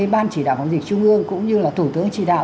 ban chỉ đạo phòng dịch trung ương cũng như là thủ tướng chỉ đạo